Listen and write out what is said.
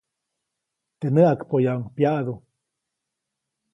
Teʼ näʼakpoyaʼuŋ pyaʼdu.